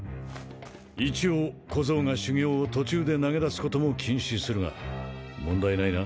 一応小僧が修行を途中で投げ出すことも禁止するが問題ないな？